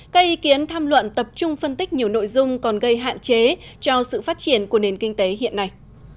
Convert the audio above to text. các ý kiến tham luận tập trung phân tích nhiều nội dung còn gây hạn chế cho sự phát triển của nền kinh tế hiện nay